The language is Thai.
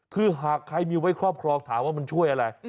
คือหากใครมีไว้ครอบครองถามว่ามันช่วยอะไร